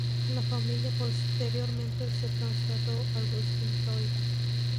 La familia posteriormente se trasladó a Ruskin, Florida.